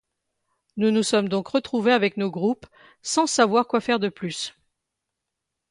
Nous nous sommes donc retrouvés avec nos groupes sans savoir quoi faire de plus.